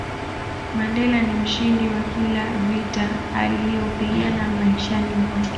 Mandela ni mshindi wa kila vita aliyopigana maishani mwake